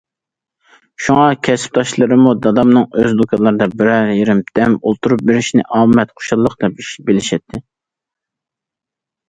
شۇڭا كەسىپداشلىرىمۇ دادامنىڭ ئۆز دۇكانلىرىدا بىرەر يېرىم دەم ئولتۇرۇپ بېرىشىنى ئامەت، خۇشاللىق دەپ بىلىشەتتى.